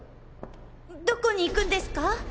どこに行くんですか？